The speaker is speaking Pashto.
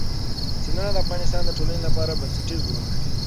سیندونه د افغانستان د ټولنې لپاره بنسټيز رول لري.